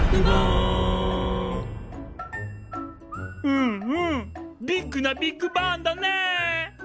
うんうんビッグなビッグバンだねえ。